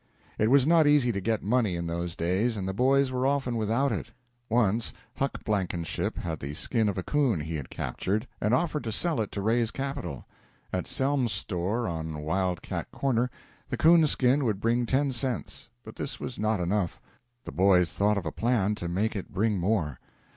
It was not easy to get money in those days, and the boys were often without it. Once "Huck" Blankenship had the skin of a 'coon he had captured, and offered to sell it to raise capital. At Selms's store, on Wild Cat Corner, the 'coon skin would bring ten cents. But this was not enough. The boys thought of a plan to make it bring more.